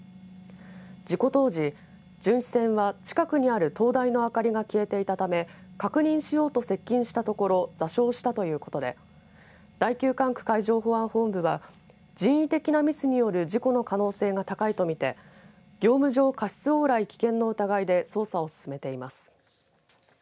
事故当時、巡視船は近くにある灯台の明かりが消えていたため確認しようと接近したところ座礁したということで第９管区海上保安本部は人為的なミスによる事故の可能性が高いとみて業務上過失往来危険の疑いで捜査を進めています。